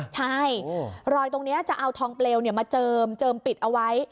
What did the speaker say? ใช่รอยตรงนี้จะเอาทองเปลวมาเจิมปิดเอาไว้